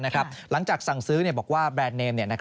หลังจากสั่งซื้อบอกว่าแบรนด์เนม